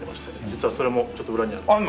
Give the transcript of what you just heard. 実はそれもちょっと裏にあるので。